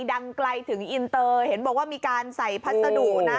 ดังไกลถึงอินเตอร์เห็นบอกว่ามีการใส่พัสดุนะ